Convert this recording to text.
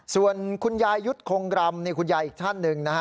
ส่วนคุณยายยุตโครงกรรมเนี่ยคุณยายอีกท่านหนึ่งนะฮะ